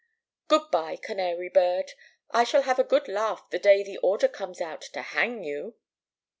Good bye, canary bird! I shall have a good laugh the day the order comes out to hang you!